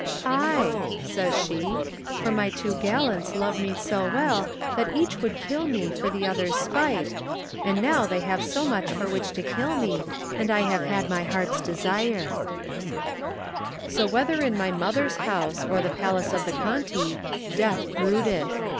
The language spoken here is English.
"Aye," says she, "for my two gallants love me so well that each would kill me for the other's spite, and now they have so much for which to kill me, and I have had my heart's desire/' So whether in my mother's house or the palace of the Conti, Death brooded.